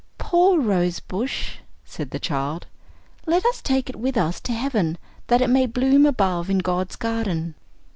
"Poor rose bush!" said the child, "let us take it with us to heaven, that it may bloom above in God's garden."